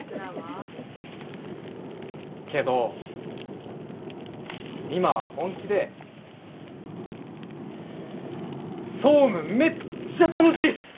けど今は本気で総務めっちゃ楽しいっす。